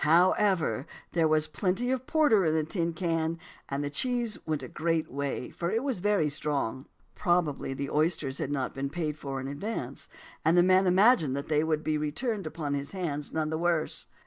However, there was plenty of porter in a tin can; and the cheese went a great way, for it was very strong." Probably the oysters had not been paid for in advance, and the man imagined that they would be returned upon his hands none the worse.